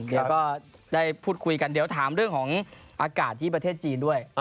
เดี๋ยวก็ได้พูดคุยกันเดี๋ยวถามเรื่องของอากาศที่ประเทศจีนด้วย